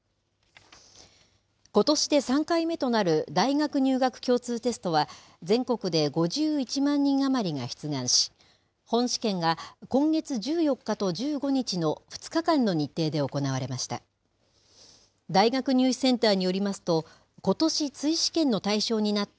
ことしで３回目となる大学入学共通テストは、全国で５１万人余りが出願し、本試験が今月１４日と１５日の２日間の日程で行われました。